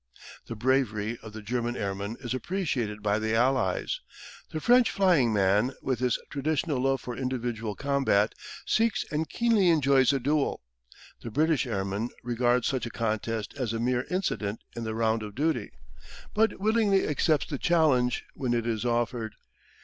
The bravery of the German airmen is appreciated by the Allies. The French flying man, with his traditional love for individual combat, seeks and keenly enjoys a duel. The British airman regards such a contest as a mere incident in the round of duty, but willingly accepts the challenge when it is offered.